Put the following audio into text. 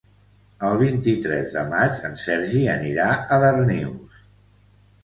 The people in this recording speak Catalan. El vint-i-tres de maig en Sergi anirà a Darnius.